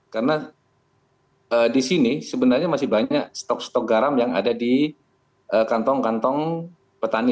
karena di sini sebenarnya masih banyak stok stok garam yang ada di kantong kantong petani